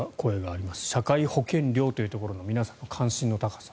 社会保険料というところが皆さんの関心の高さ。